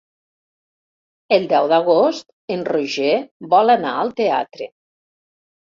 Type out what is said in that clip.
El deu d'agost en Roger vol anar al teatre.